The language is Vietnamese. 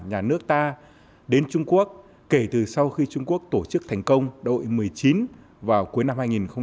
nhà nước ta đến trung quốc kể từ sau khi trung quốc tổ chức thành công đội một mươi chín vào cuối năm hai nghìn một mươi